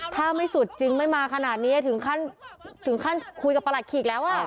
ถ้าไม่สุดจริงไม่มาขนาดนี้ถึงขั้นถึงขั้นคุยกับประหลัดขีกแล้ว